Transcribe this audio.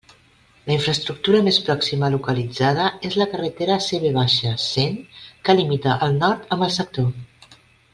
La infraestructura més pròxima localitzada és la carretera CV cent que limita al nord amb el sector.